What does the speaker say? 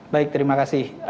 baik terima kasih